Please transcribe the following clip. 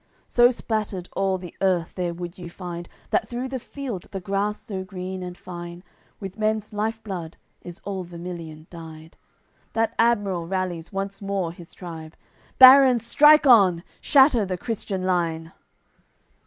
So spattered all the earth there would you find That through the field the grass so green and fine With men's life blood is all vermilion dyed. That admiral rallies once more his tribe: "Barons, strike on, shatter the Christian line."